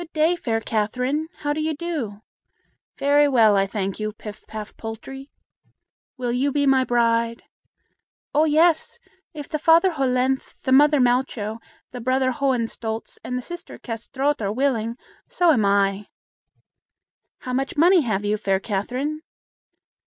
"Good day, fair Catherine. How do you do?" "Very well, I thank you, Pif paf Poltrie." "Will you be my bride?" "Oh, yes! if the father Hollenthe, the mother Malcho, the brother Hohenstolz, and the sister Kâsetraut are willing, so am I." "How much money have you, fair Catherine?"